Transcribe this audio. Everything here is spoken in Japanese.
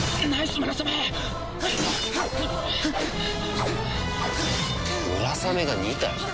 ムラサメが２体？